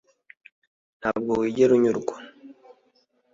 Ntabwo wigera unyurwa